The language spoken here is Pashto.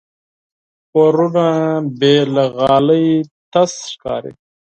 کورونه بې له غالۍ تش ښکاري.